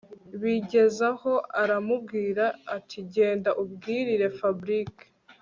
bigezaho aramubwira atiGenda ubwirire Fabric